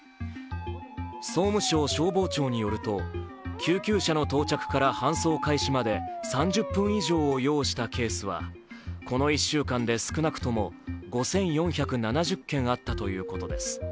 総務省消防庁によりますと、救急車の到着から搬送開始まで３０分以上を要したケースはこの１週間で少なくとも５４７０件あったということです。